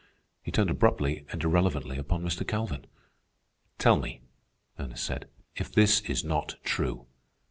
He turned abruptly and irrelevantly upon Mr. Calvin. "Tell me," Ernest said, "if this is not true.